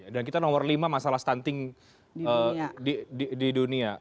dan kita nomor lima masalah stunting di dunia